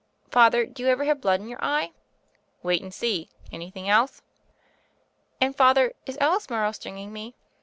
"Father, do you ever have blood in your eye?" "Wait and see. Anything else ?" "And, Father, is Alice Morrow stringing me?"